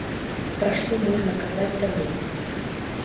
Пра што можна казаць далей?